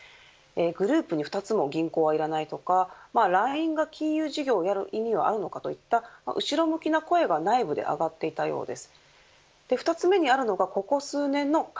グループに２つも銀行はいらないとかＬＩＮＥが金融事業をやる意味があるのかといった後ろ向きな声が内部で上がっていたようです。